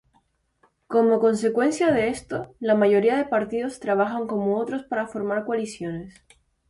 Como consecuencia de esto, la mayoría de partidos trabajan con otros para formar coaliciones.